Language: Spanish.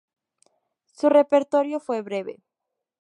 Su repertorio fue breve.